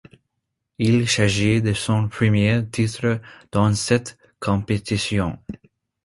Il s'agit de son premier titre dans cette compétition.